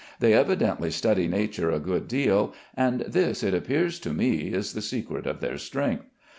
They evidently study nature a good deal, and this, it appears to me, is the secret of their strength.